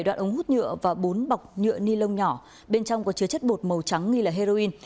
một đoạn ống hút nhựa và bốn bọc nhựa ni lông nhỏ bên trong có chứa chất bột màu trắng nghi là heroin